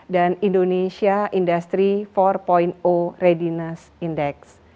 dan indonesia industry empat readiness index